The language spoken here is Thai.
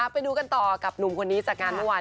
ไปดูกันต่อกับหนุ่มคนนี้จากงานเมื่อวาน